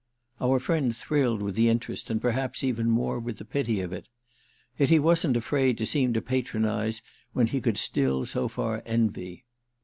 Our friend thrilled with the interest and perhaps even more with the pity of it. Yet he wasn't afraid to seem to patronise when he could still so far envy.